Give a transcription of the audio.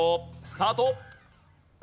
スタート！